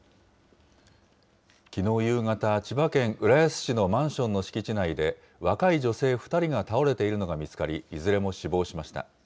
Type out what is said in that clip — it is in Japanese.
きのう夕方、千葉県浦安市のマンションの敷地内で、若い女性２人が倒れているのが見つかり、いずれも死亡しました。